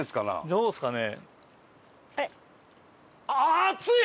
どうですかね。